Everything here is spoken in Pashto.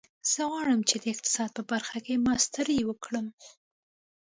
زه غواړم چې د اقتصاد په برخه کې ماسټري وکړم